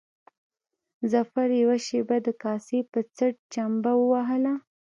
ظفر يوه شېبه د کاسې په څټ چمبه ووهله.